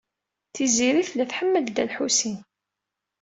Tiziri tella tḥemmel Dda Lḥusin.